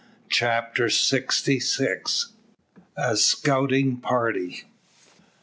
CHAPTER SIXTY SIX. A SCOUTING PARTY.